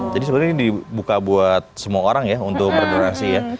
jadi sebenarnya ini dibuka buat semua orang ya untuk berdonasi ya